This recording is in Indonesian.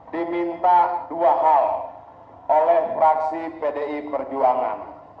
diminta dua hal oleh fraksi pdi perjuangan